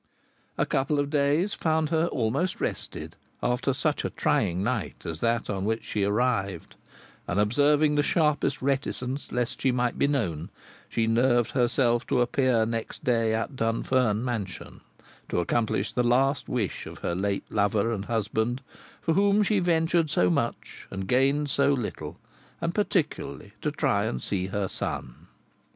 A couple of days found her almost rested after such a trying night as that on which she arrived, and observing the sharpest reticence lest she might be known, she nerved herself to appear next day at Dunfern Mansion, to accomplish the last wish of her late lover and husband, for whom she ventured so much and gained so little, and particularly to try and see her son.